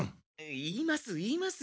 言います言います。